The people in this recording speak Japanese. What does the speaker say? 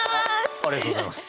ありがとうございます。